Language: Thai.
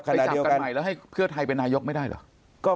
ไปจับกันใหม่แล้วให้เพื่อไทยเป็นนายกไม่ได้เหรอ